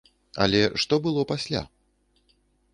Але што было пасля?